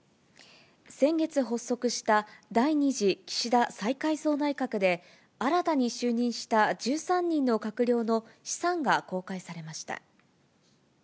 先月発足した第２次岸田再改造内閣で、新たに就任した１３人の閣僚の資産が公開されました。